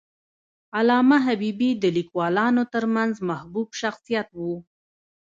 علامه حبیبي د لیکوالانو ترمنځ محبوب شخصیت و.